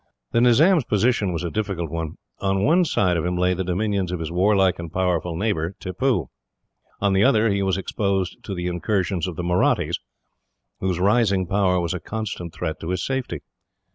The Nizam's position was a difficult one. On one side of him lay the dominions of his warlike and powerful neighbour, Tippoo. On the other he was exposed to the incursions of the Mahrattis, whose rising power was a constant threat to his safety.